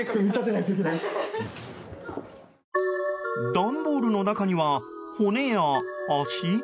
段ボールの中には骨や足？